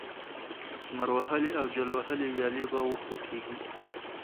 لمر وهلې او جل وهلې ويالې به وخوټېږي،